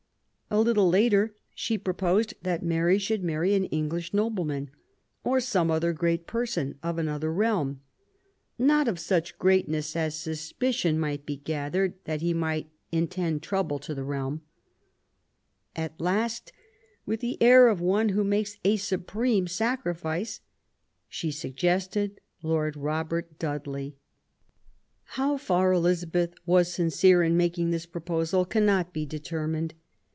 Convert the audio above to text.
A little later she proposed that Mary should marry an English noble man, or some other great person of another realm, " not of such greatness as suspicion might be gathered that he might intend trouble to the realm *\ At last, with an air of one who makes a supreme sacrifice, she suggested Lord Robert Dudley. How far Eliza beth was sincere in making this proposal cannot be determined.